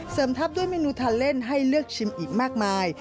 เสริมทับด้วยเมนูทัลเลนส์ให้เลือกชิมอีกมากมาย